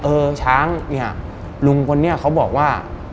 เออช้างเนี่ยลุงคนนี้เขาบอกว่า